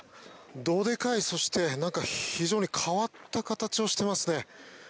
どでかい、そして、なんか非常に変わった形をしていますね。